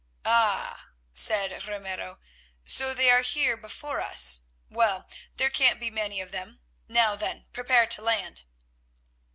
"Ah!" said Ramiro, "so they are here before us. Well, there can't be many of them. Now then, prepare to land."